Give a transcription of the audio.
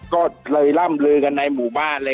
คุณติเล่าเรื่องนี้ให้ฮะ